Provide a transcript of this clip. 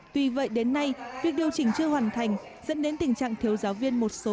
tuy vậy đến nay việc điều chỉnh chưa hoàn thành dẫn đến tình trạng thiếu giáo viên một số